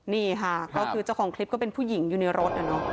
นี่ค่ะก็คือเจ้าของคลิปก็เป็นผู้หญิงอยู่ในรถ